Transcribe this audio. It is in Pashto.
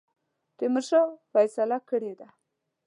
تیمورشاه فیصله کړې ده.